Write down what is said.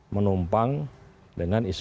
menumpang dengan isu isu